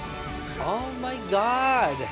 オーマイゴッド。